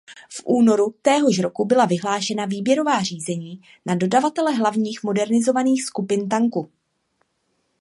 V únoru téhož roku byla vyhlášena výběrová řízení na dodavatele hlavních modernizovaných skupin tanku.